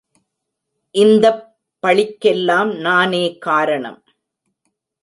இந்தப் பழிக்கெல்லாம் நானே காரணம்.